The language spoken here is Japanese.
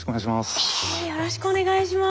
よろしくお願いします。